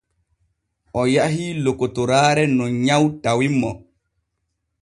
O yahii lokotoraare no nyaw tawi mo.